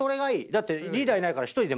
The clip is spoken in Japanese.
だって。